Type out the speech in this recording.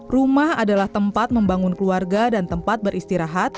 rumah adalah tempat membangun keluarga dan tempat beristirahat